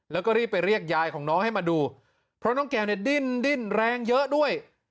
แล้วก็รีบไปเรียกยายของน้องให้มาดูเพราะน้องแก้วเนี่ยดิ้นดิ้นแรงเยอะด้วย